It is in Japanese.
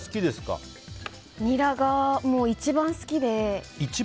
ニラがもう一番好きで。